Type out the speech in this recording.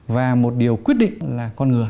và một điều quyết định là